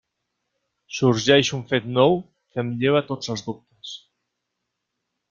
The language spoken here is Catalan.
Sorgeix un fet nou que em lleva tots els dubtes.